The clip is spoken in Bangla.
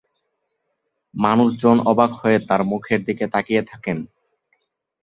মানুষজন অবাক হয়ে তার মুখের দিকে তাকিয়ে থাকেন।